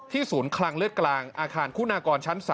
ศูนย์คลังเลือดกลางอาคารคุณากรชั้น๓